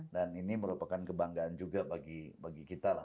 dan ini merupakan kebanggaan juga bagi kita